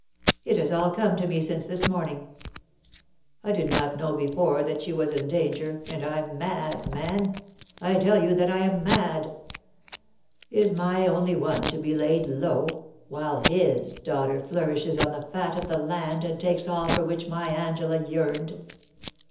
It has all come to me since this morning. I did not know before that she was in danger, and I'm mad, man ; I tell you that I'm mad ! Is my only one to be laid low, while his daughter flourishes on the fat of the land, and takes all for which my Angela yearned